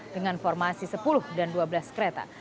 dengan formasi sepuluh dan dua belas kereta